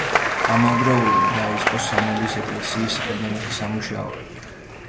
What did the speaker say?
ამავდროულად დაიწყო სამების ეკლესიის აღდგენითი სამუშაოები.